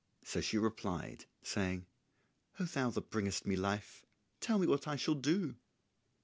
So she replied, saying, "O thou that bringest me life, tell me what I shall do?"